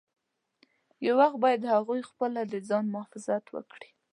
یو وخت باید هغوی پخپله د ځان مخافظت وکړي.